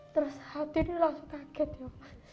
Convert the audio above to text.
terus hati ini langsung kaget ya pak